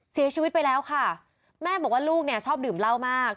เสียชีวิตไปแล้วค่ะแม่บอกว่าลูกเนี่ยชอบดื่มเหล้ามาก